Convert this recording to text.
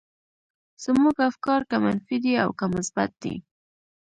زموږ افکار که منفي دي او که مثبت دي.